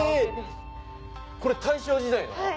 これ大正時代の？